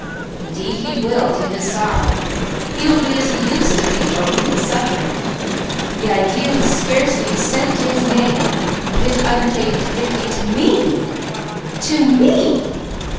Indeed he will to his sorrow! He will be as he used to be, or we will separate. The idea, with scarcely a cent to his name, of him undertaking to dictate to me, _to me!